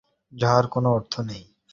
কাল আমাদের ওখানে তোমার নিমন্ত্রণ রহিল।